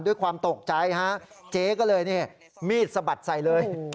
ด้วยความตกใจฮะเจ๊ก็เลยนี่มีดสะบัดใส่เลย